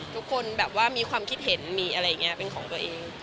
ทุกคนแบบว่ามีความคิดเห็นมีอะไรอย่างนี้เป็นของตัวเอง